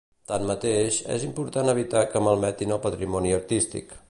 Tanmateix, és important evitar que malmetin el patrimoni artístic.